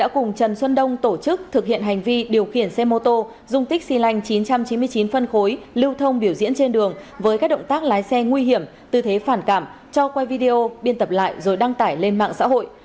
cùng trần xuân đông tổ chức thực hiện hành vi điều khiển xe mô tô dùng tích xì lành chín trăm chín mươi chín phân khối lưu thông biểu diễn trên đường với các động tác lái xe nguy hiểm tư thế phản cảm cho quay video biên tập lại rồi đăng tải lên mạng xã hội